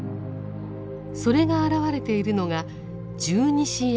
それが表れているのが「十二支縁起」。